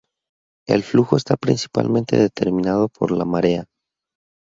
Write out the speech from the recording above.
El flujo está principalmente determinado por la marea.